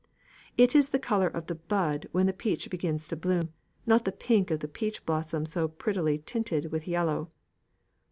It is the colour of the bud when the peach begins to bloom, not the pink of the peach blossom so prettily tinted with yellow.